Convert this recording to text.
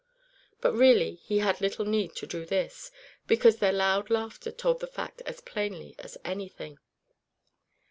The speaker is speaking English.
But really he had little need to do this, because their loud laughter told the fact as plainly as anything.